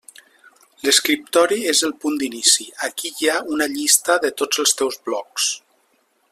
L’escriptori és el punt d’inici, aquí hi ha una llista de tots els teus blogs.